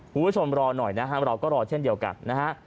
คุณผู้ชมรอหน่อยนะครับเราก็รอเช่นเดียวกันนะฮะ